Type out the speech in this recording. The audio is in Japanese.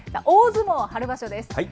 大相撲春場所です。